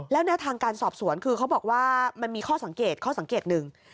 แล้วแนวทางการสอบสวนคือเขาบอกว่ามันมีข้อสังเกตข้อสังเกตหนึ่ง